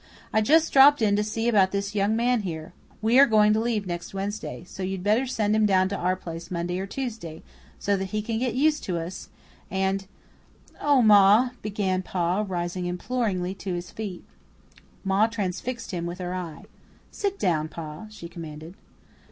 "I just dropped in to see about this young man here. We are going to leave next Wednesday; so you'd better send him down to our place Monday or Tuesday, so that he can get used to us, and " "Oh, Ma," began Pa, rising imploringly to his feet. Ma transfixed him with her eye. "Sit down, Pa," she commanded.